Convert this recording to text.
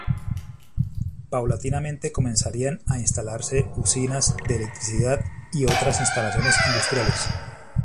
Paulatinamente comenzarían a instalarse usinas de electricidad y otras instalaciones industriales.